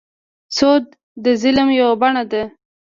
سود د ظلم یوه بڼه ده.